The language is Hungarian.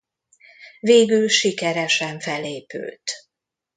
Végül sikeresen felépült.